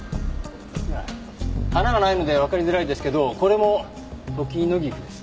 花がないのでわかりづらいですけどこれもトキノギクです。